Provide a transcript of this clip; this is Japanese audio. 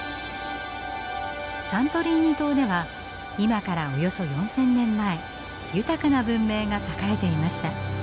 サントリーニ島では今からおよそ４，０００年前豊かな文明が栄えていました。